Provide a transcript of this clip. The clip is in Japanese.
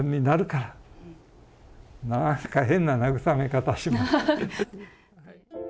なんか変な慰め方しまして。